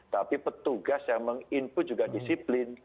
tapi petugas yang meng input juga disiplin